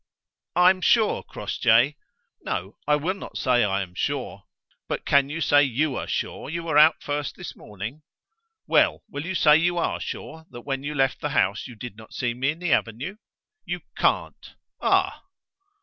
"I am sure, Crossjay no, I will not say I am sure: but can you say you are sure you were out first this morning? Well, will you say you are sure that when you left the house you did not see me in the avenue? You can't: ah!"